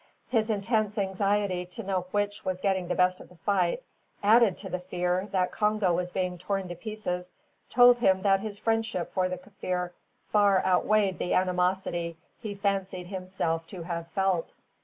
His intense anxiety to know which was getting the best of the fight, added to the fear that Congo was being torn to pieces, told him that his friendship for the Kaffir far outweighed the animosity he fancied himself to have felt.